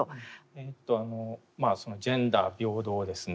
えとまあそのジェンダー平等ですね。